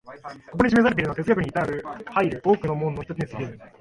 ここに示されたのは哲学に入る多くの門の一つに過ぎぬ。